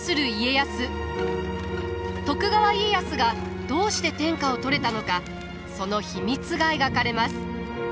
徳川家康がどうして天下を取れたのかその秘密が描かれます。